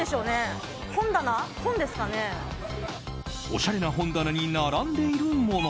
おしゃれな本棚に並んでいるもの。